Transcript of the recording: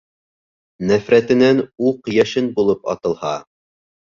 Нәфрәтенән уҡ-йәшен булып атылһа